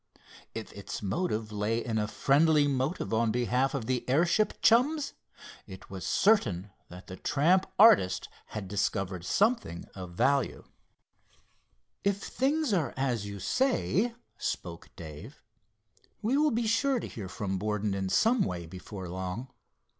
If its motive lay in a friendly move on behalf of the airship chums, it was certain that the tramp artist had discovered something of value. "If things are as you say," spoke Dave, "we will be sure to hear from Borden in some way before long.